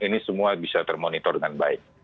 ini semua bisa termonitor dengan baik